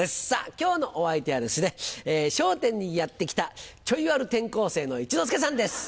今日のお相手はですね『笑点』にやって来たちょい悪転校生の一之輔さんです。